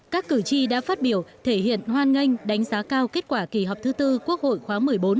các cử tri đã phát biểu thể hiện hoan nghênh đánh giá cao kết quả kỳ họp thứ tư quốc hội khóa một mươi bốn